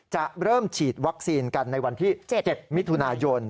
จะเริ่มฉีดวัคซีนกันในวันที่๗มิถุนายน